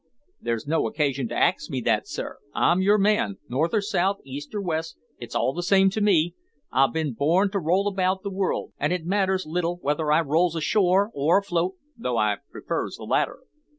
"There's no occasion to ax that sir; I'm your man north or south, east or west, it's all the same to me. I've bin born to roll about the world, and it matters little whether I rolls ashore or afloat though I prefers the latter."